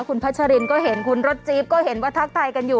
คุณพัชรินก็เห็นคุณรถจี๊บก็เห็นว่าทักทายกันอยู่